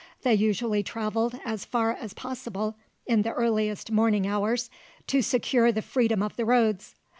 They usually travelled as far as possible in the earliest morning hours, to secure the freedom of the roads.